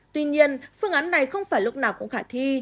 tuy nhiên phương án này không phải lúc nào cũng khả thi